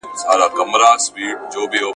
د سهار هوا تنفس لپاره مناسبه ده.